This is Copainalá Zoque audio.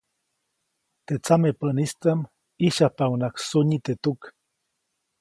Teʼ tsamepäʼnistaʼm ʼyisyajpaʼuŋnaʼak sunyi teʼ tuk.